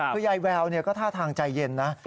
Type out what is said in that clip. คือยายแววก็ท่าทางใจเย็นนะ